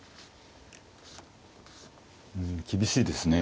うん厳しいですね。